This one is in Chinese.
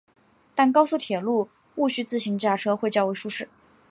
但高速铁路毋须自行驾车会较为舒适。